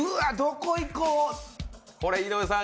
これ井上さん